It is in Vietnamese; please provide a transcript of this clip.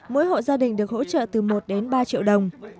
mỗi hộ gia đình được hỗ trợ từ một đến ba triệu đồng